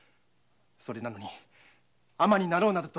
それなのに尼になろうなどとは。